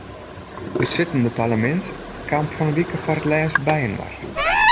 It sittende parlemint kaam fan ’e wike foar it lêst byinoar.